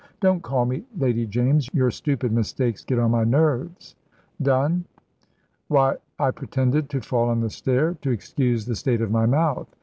"Don't call me Lady James; your stupid mistakes get on my nerves. Done? Why, I pretended to fall on the stair to excuse the state of my mouth.